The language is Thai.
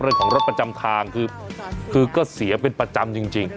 เรื่องของรถประจำทางคือก็เสียเป็นประจำจริง